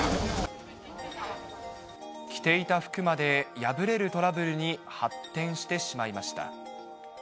着ていた服まで破れるトラブルに発展してしまいました。